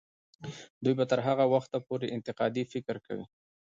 دوی به تر هغه وخته پورې انتقادي فکر کوي.